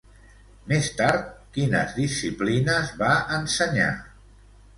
Més tard, quines disciplines va ensenyar?